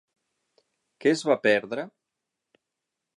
Què es va perdre?